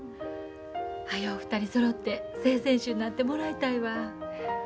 はよう２人そろって正選手になってもらいたいわ。